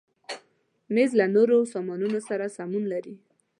مېز له نورو سامانونو سره سمون لري.